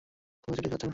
কোনোকিছুই ঠিক হচ্ছে না।